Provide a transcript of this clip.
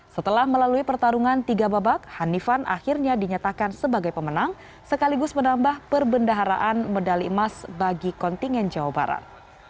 setelah melalui pertarungan tiga babak hanifan akhirnya dinyatakan sebagai pemenang sekaligus menambah perbendaharaan medali emas bagi kontingen jawa barat